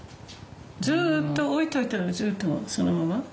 ずっと置いといたらずっとそのまま？